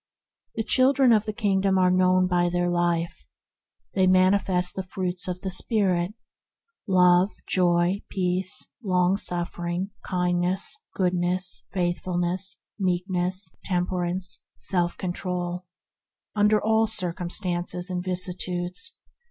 The children of the Kingdom are known by their life. They manifest the fruits of the Spirit: 'love, joy, peace, long suffering, kindness, goodness, faithfulness, meekness, temperance, self control,' ' in all circum stances and vicissitudes.